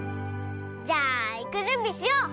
じゃあいくじゅんびしよう！